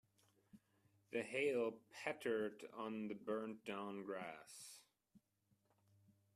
The hail pattered on the burnt brown grass.